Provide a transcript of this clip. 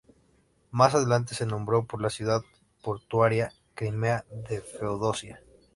Más adelante se nombró por la ciudad portuaria crimea de Feodosia.